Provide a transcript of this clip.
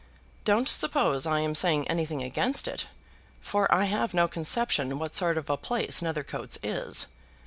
Don't suppose I am saying anything against it, for I have no conception what sort of a place Nethercoats is.